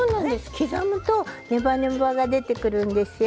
刻むとネバネバが出てくるんですよ。